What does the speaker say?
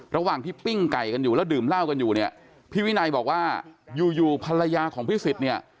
ระหว่างที่ปิ้งไก่กันอยู่แล้วดื่มเหล้ากันอยู่เนี่ยพี่วินัยบอกว่าอยู่อยู่ภรรยาของพิสิทธิ์เนี่ย